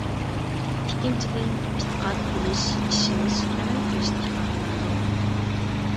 ئىككىنچىدىن، ئېتىقاد بىلىش، ئىشىنىش، ئەمەل قىلىشتا ئىپادىلىنىدۇ.